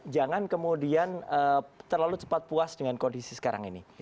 jangan kemudian terlalu cepat puas dengan kondisi sekarang ini